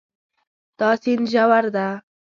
دا سیند ژور ده